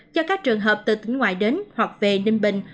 cho các trường hợp từ tỉnh ngoài đến hoặc về ninh bình